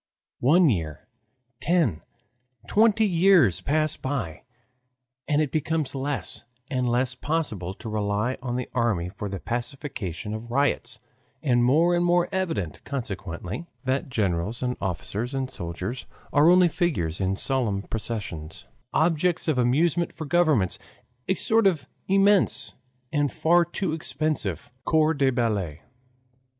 One year, ten, twenty years pass by. And it becomes less and less possible to rely on the army for the pacification of riots, and more and more evident, consequently, that generals, and officers, and soldiers are only figures in solemn processions objects of amusement for governments a sort of immense and far too expensive CORPS DE BALLET.